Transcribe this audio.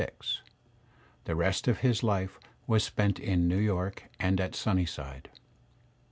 The rest of his life was spent in New York and at Sunnyside.